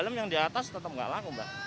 dalam yang di atas tetap nggak laku mbak